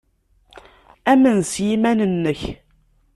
Amen s yiman-nnek.